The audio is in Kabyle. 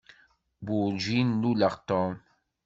Werǧin nnuleɣ Tom.